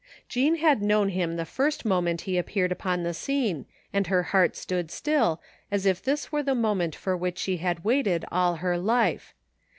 Jean had known him the first moment he appeared upon the scene and her heart stood still, as if this were tihe moment for which she had waited all her life.